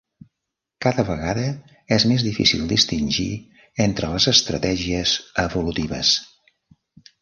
Cada vegada és més difícil distingir entre les estratègies evolutives.